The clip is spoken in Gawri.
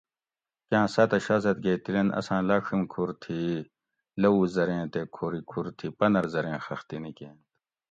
کاۤں ساۤتہ شازادگے تِلینت اساۤں لاڄِھیم کُھور تھی لوؤ زریں تے کھوری کُھور تھی پۤنر زریں خختی نِکینت